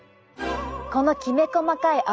このきめ細かい泡。